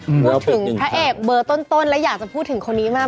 พูดถึงพระเอกเบอร์ต้นและอยากจะพูดถึงคนนี้มาก